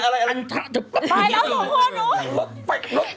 ไปแล้วส่วนพวกนู้น